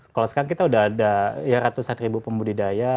kalau sekarang kita sudah ada ratusan ribu pembudidaya